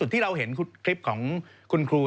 ที่เราเห็นคลิปของคุณครู